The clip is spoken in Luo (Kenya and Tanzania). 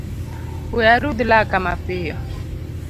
We arudh laka mapiyo